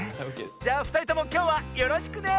じゃあふたりともきょうはよろしくね！